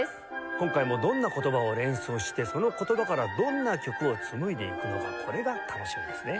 今回もどんな言葉を連想してその言葉からどんな曲を紡いでいくのかこれが楽しみですね。